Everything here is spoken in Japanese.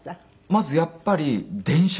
まずやっぱり電車。